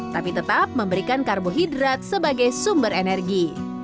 tapi tetap memberikan karbohidrat sebagai sumber energi